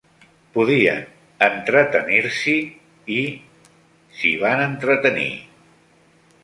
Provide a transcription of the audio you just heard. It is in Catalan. Podien entretenir-s'hi i... s'hi van entretenir.